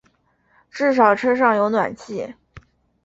至少车上有暖气